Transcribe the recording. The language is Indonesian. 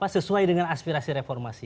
sesuai dengan aspirasi reformasi